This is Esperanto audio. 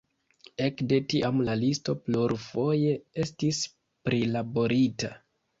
Ekde tiam la listo plurfoje estis prilaborita.